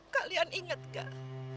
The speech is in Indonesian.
kalian inget gak